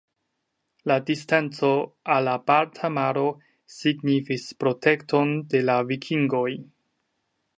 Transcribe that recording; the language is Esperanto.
La distanco al la Balta Maro signifis protekton de la vikingoj.